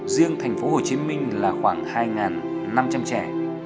riêng thành phố hồ chí minh là khoảng hai năm trăm linh trẻ